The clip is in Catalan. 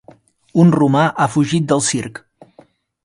Un romà ha fugit del circ.